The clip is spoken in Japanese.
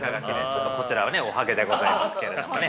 ちょっとこちらはねおはげでございますけれどもね。